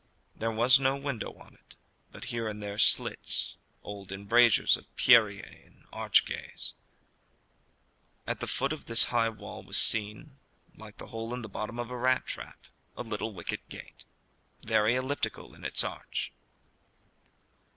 There was no window on it, but here and there slits, old embrasures of pierriers and archegayes. At the foot of this high wall was seen, like the hole at the bottom of a rat trap, a little wicket gate, very elliptical in its arch.